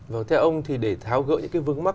vâng theo ông thì để tháo gỡ những cái vướng mắc